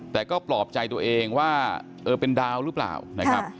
แต่ก็ปลอบใจตัวเองว่าเออเป็นดาวหรือเปล่านะครับ